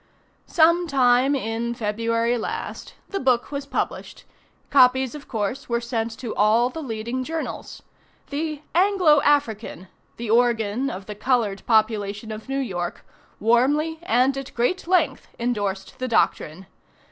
Some time in February last, the book was published. Copies, of course, were sent to all the leading journals. The "Anglo African," the organ of the colored population of New York, warmly, and at great length, indorsed the doctrine.